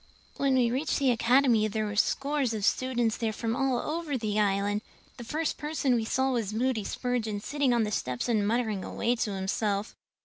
"When we reached the Academy there were scores of students there from all over the Island. The first person we saw was Moody Spurgeon sitting on the steps and muttering away to himself.